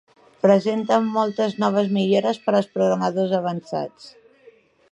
Presenta moltes noves millores per als programadors avançats.